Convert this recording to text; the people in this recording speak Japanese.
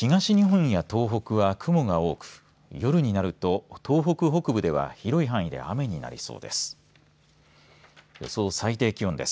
東日本や東北は雲が多く夜になると東北北部では広い範囲で雨になりそうです。